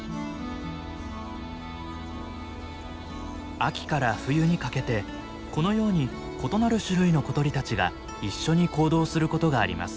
秋から冬にかけてこのように異なる種類の小鳥たちが一緒に行動することがあります。